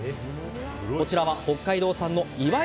こちらは北海道産の祝い